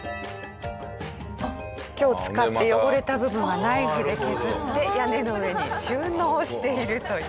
今日使って汚れた部分はナイフで削って屋根の上に収納しているという。